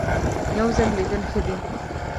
یو ځل لیدل ښه دي .